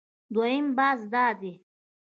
دویم بحث دا دی